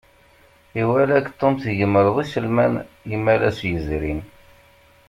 Iwala-k Tom tgemreḍ iselman Imalas yezrin.